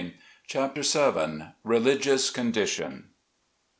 87 CHAPTER VII. RELIGIOUS CONDITION.